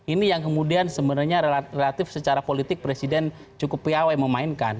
ini yang kemudian sebenarnya relatif secara politik presiden cukup piawai memainkan